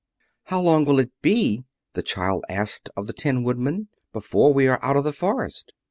"How long will it be," the child asked of the Tin Woodman, "before we are out of the forest?"